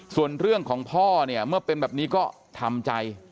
ส่วนเรื่องของพ่อเนี่ยเมื่อเป็นแบบนี้ก็ทำใจ